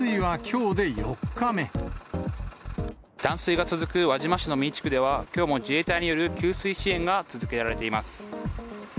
断水が続く輪島市三井地区では、きょうも自衛隊による給水支援が続けられています。